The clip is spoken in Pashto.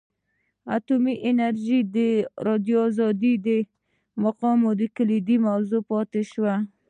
اټومي انرژي د ازادي راډیو د مقالو کلیدي موضوع پاتې شوی.